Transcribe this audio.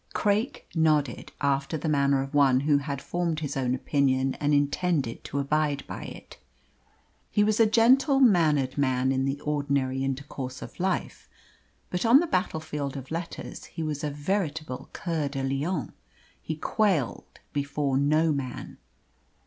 Craik nodded, after the manner of one who had formed his own opinion and intended to abide by it. He was a gentle mannered man in the ordinary intercourse of life, but on the battlefield of letters he was a veritable Coeur de Lion. He quailed before no man.